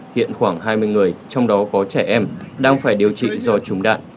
hiện khoảng hai mươi người trong đó có trẻ em đang phải điều trị do trúng đạn